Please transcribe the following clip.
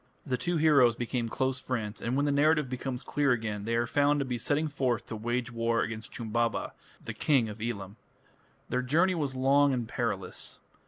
The two heroes became close friends, and when the narrative becomes clear again, they are found to be setting forth to wage war against Chumbaba, the King of Elam. Their journey was long and perilous.